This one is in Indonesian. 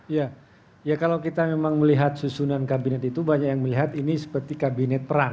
ya kalau kita memang melihat susunan kabinet itu banyak yang melihat ini seperti kabinet perang